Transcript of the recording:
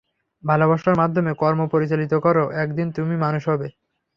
ভালোবাসার মাধ্যমে কর্ম পরিচালিত করো, এক দিন তুমি মানুষ হবে।